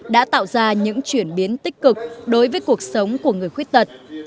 đã tạo ra những chuyển biến tích cực đối với cuộc sống của người khuyết tật